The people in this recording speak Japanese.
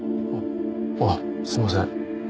あっすいません。